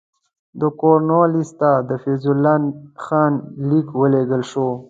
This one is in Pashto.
د کورنوالیس ته د فیض الله خان لیک ولېږل شو.